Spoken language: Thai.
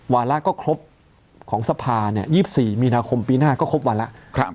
วาระก็ครบของสภาเนี่ย๒๔มีนาคมปีหน้าก็ครบวาระ